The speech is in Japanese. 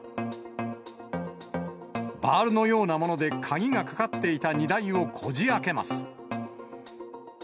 バールのようなもので鍵がかかっていた荷台をこじあけます。